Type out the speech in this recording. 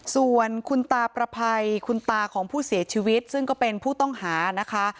ส่วนคุณตาประภัยคุณตาของผู้เสียชีวิตซึ่งก็เป็นผู้ต้องหานะคะ